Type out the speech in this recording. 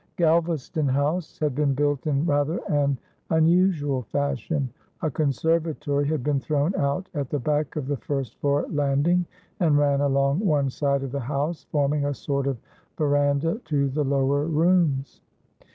Galvaston House had been built in rather an unusual fashion; a conservatory had been thrown out at the back of the first floor landing and ran along one side of the house, forming a sort of verandah to the lower rooms.